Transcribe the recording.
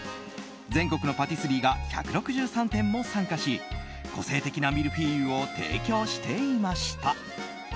全国のパティスリーが１６３店も参加し個性的なミルフィーユを提供していました。